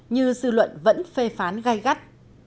như dư luận vẫn phê phán gay gắt